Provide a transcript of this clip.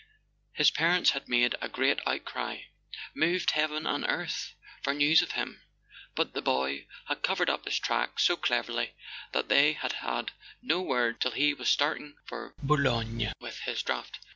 His parents had made a great outcry—moved heaven and earth for news of him—but the boy had covered up his tracks so cleverly that they had had no word till he was start¬ ing for Boulogne with his draft.